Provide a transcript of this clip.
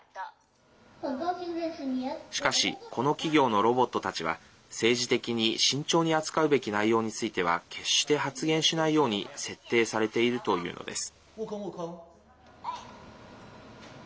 しかし、この企業のロボットたちは政治的に慎重に扱うべき内容については決して発言しないように設定されているというのです。